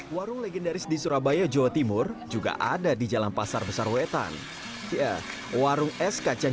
warung legendaris di surabaya jawa timur juga ada di jalan pasar besar wetan warung es kacang